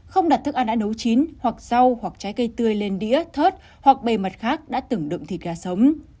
không đặt thức ăn đã nấu chín hoặc rau hoặc trái cây tươi lên đĩa thớt hoặc bề mặt khác đã từng đựng thịt gà sống